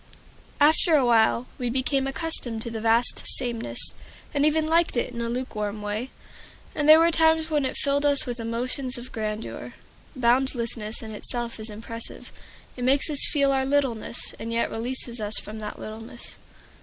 After a while we became accustomed to the vast sameness, and even liked it in a lukewarm way. And there were times when it filled us with emotions of grandeur. Boundlessness in itself is impressive; it makes us feel our littleness, and yet releases us from that littleness.